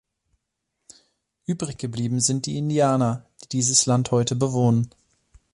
Übrig geblieben sind die Indianer, die dieses Land heute bewohnen.